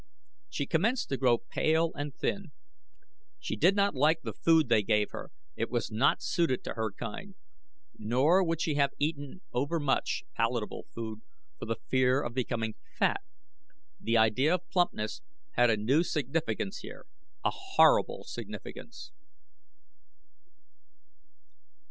She commenced to grow pale and thin. She did not like the food they gave her it was not suited to her kind nor would she have eaten overmuch palatable food, for the fear of becoming fat. The idea of plumpness had a new significance here a horrible significance.